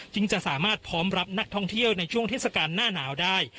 จะสามารถพร้อมรับนักท่องเที่ยวในช่วงเทศกาลหน้าหนาวได้